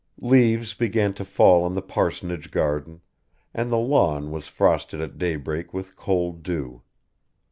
Leaves began to fall in the parsonage garden, and the lawn was frosted at daybreak with cold dew.